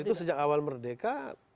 itu sejak awal merdeka